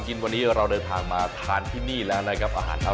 ใช่คะอันนี้ก็เป็นการผสมผสานระหว่างส่วนผสมทั้งของฝรั่งแล้วก็ของเกาหลีนะคะ